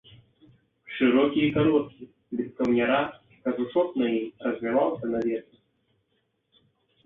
Шырокі і кароткі, без каўняра, кажушок на ім развяваўся на ветры.